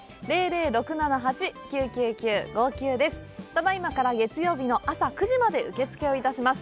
ただ今から月曜日の朝９時まで受け付けをいたします。